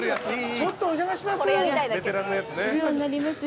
ちょっとお邪魔します。